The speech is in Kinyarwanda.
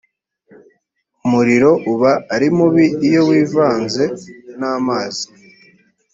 umuriro uba ari mubi iyowivanze namazi.